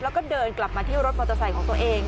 แล้วก็เดินกลับมาที่รถมอเตอร์ไซค์ของตัวเอง